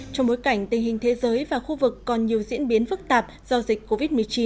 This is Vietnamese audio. trong bối cảnh tình hình thế giới và khu vực còn nhiều diễn biến phức tạp do dịch covid một mươi chín